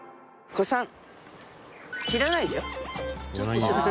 小さん。